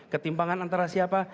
ketimpangan antara siapa